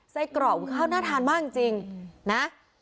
กรอบข้าวน่าทานมากจริงนะ